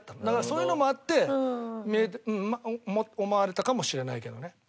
だからそういうのもあって思われたかもしれないけどね。